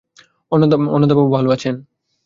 অন্নদাবাবু ভালো আছেন?